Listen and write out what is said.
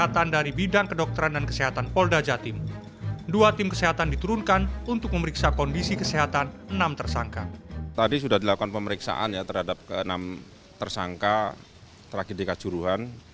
tadi sudah dilakukan pemeriksaan terhadap enam tersangka tragedi kasuruhan